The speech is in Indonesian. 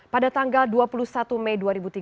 pada tanggal dua puluh satu mei dua ribu tiga belas